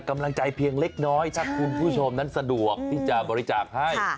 กำลังใจเพียงเล็กน้อยถ้าคุณผู้ชมนั้นสะดวกที่จะบริจาคให้